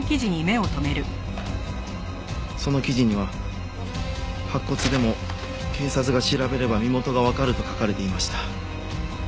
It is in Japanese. その記事には白骨でも警察が調べれば身元がわかると書かれていました。